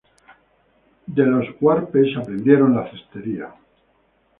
De los huarpes aprendieron la cestería.